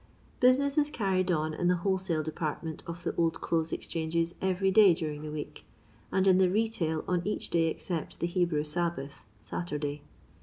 Business is carried on in the wholesale depart ment of the Old Clothes Exchanges every day during the week; and in the retail on each day except the Hebrew Sabbath (Saturday).